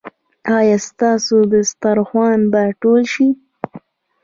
ایا ستاسو دسترخوان به ټول شي؟